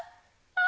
あ！